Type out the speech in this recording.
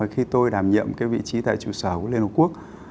khi tôi đảm nhiệm cái vị trí tại trụ sở của liên hợp quốc